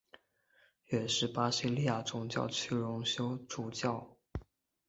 也是巴西利亚总教区荣休总主教。